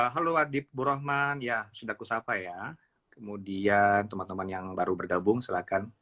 halo wadid burahman ya sudah kusapa ya kemudian teman teman yang baru bergabung silakan